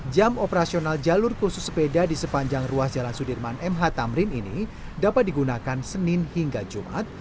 jam operasional jalur khusus sepeda di sepanjang ruas jalan sudirman mh tamrin ini dapat digunakan senin hingga jumat